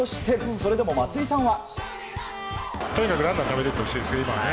それでも松井さんは。